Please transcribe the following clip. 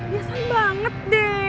biasa banget deh